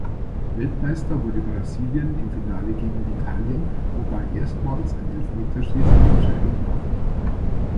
Weltmeister wurde Brasilien im Finale gegen Italien, wobei erstmals ein Elfmeterschießen die Entscheidung brachte.